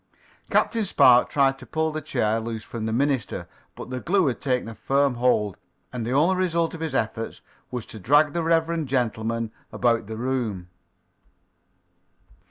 Captain Spark tried to pull the chair loose from the minister, but the glue had taken a firm hold, and the only result of his efforts was to drag the reverend gentleman about the room.